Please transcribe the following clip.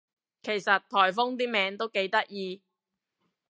其實颱風啲名都幾得意